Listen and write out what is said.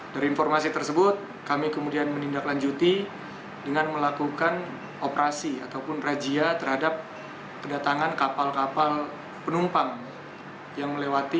dari informasi tersebut kami kemudian menindaklanjuti dengan melakukan operasi ataupun rajia terhadap kedatangan kapal kapal penumpang yang melewati